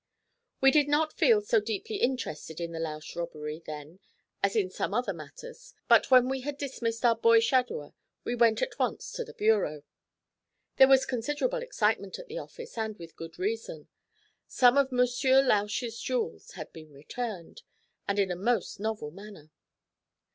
We did not feel so deeply interested in the Lausch robbery then as in some other matters, but when we had dismissed our boy shadower we went at once to the bureau. There was considerable excitement at the office, and with good reason. Some of Monsieur Lausch's jewels had been returned, and in a most novel manner.